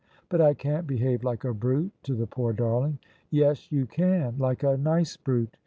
"" But I can't behave like a brute to the poor darling! "" Yes, you can : like a nice brute.